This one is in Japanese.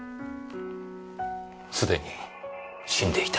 すでに死んでいた。